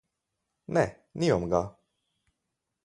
Ne, nimam ga.